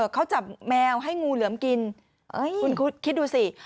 เขาจับแมวให้งูเหลือมกินคุณคิดดูสิ